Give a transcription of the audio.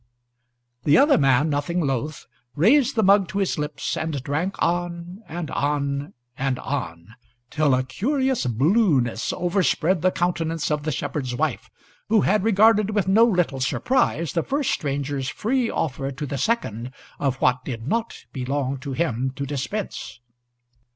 The other man, nothing loath, raised the mug to his lips, and drank on and on and on, till a curious blueness overspread the countenance of the shepherd's wife, who had regarded with no little surprise the first stranger's free offer to the second of what did not belong to him to dispense.